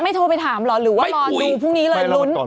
โทรไปถามเหรอหรือว่ารอดูพรุ่งนี้เลยลุ้น